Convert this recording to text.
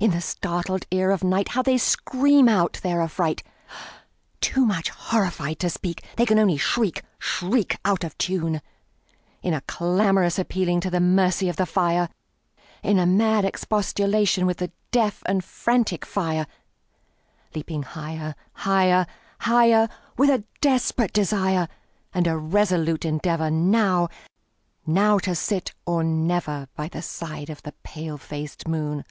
In the startled ear of nightHow they scream out their affright! Too much horrified to speak, They can only shriek, shriek, Out of tune, In a clamorous appealing to the mercy of the fire, In a mad expostulation with the deaf and frantic fire, Leaping higher, higher, higher, With a desperate desire, And a resolute endeavorNow—now to sit or never, By the side of the pale faced moon.